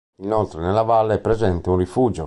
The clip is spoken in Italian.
Inoltre nella valle è presente un rifugio.